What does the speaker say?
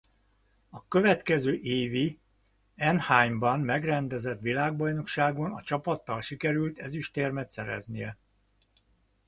A következő évi Anaheimban megrendezett világbajnokságon a csapattal sikerült ezüstérmet szereznie.